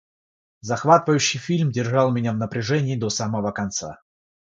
Захватывающий фильм держал меня в напряжении до самого конца.